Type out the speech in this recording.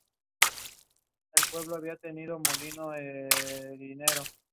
Franco recordó esa circunstancia cuando se refirió a este hecho años más tarde.